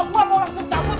gua mau langsung jambut